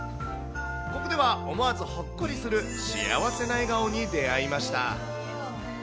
ここでは、思わずほっこりする幸せな笑顔に出会いました。